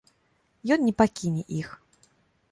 Ён не пакіне іх.